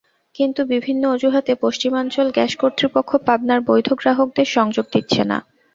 কিন্তু বিভিন্ন অজুহাতে পশ্চিমাঞ্চল গ্যাস কর্তৃপক্ষ পাবনার বৈধ গ্রাকহদের সংযোগ দিচ্ছে না।